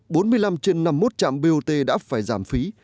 trong tình hình đó bốn mươi năm trên năm mươi một trạm bot đã phải giảm phí